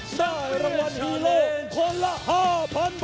ได้รางวัลฮีโร่คนละ๕๐๐๐บาท